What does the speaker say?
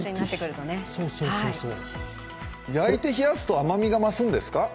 焼いて冷やすと甘みが増すんですか？